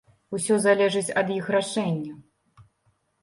Усё залежыць ад іх рашэння.